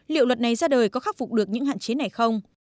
liệu luật này ra đời có khắc phục được những hạn chế này không